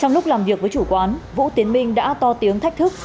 trong lúc làm việc với chủ quán vũ tiến minh đã to tiếng thách thức